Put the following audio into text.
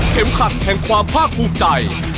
เข็มขัดแทนความภาคภูมิใจ